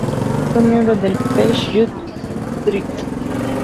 Fue miembro del "Pace Youth Theatre".